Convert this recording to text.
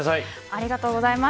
ありがとうございます。